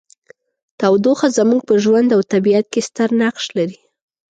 تودوخه زموږ په ژوند او طبیعت کې ستر نقش لري.